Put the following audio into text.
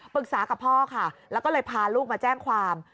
กับพ่อค่ะแล้วก็เลยพาลูกมาแจ้งความ